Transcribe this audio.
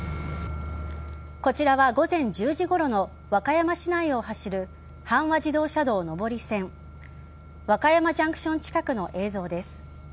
こちらは午前１０時ごろの和歌山市内を走る阪和自動車道上り線和歌山ジャンクション近くの映像です。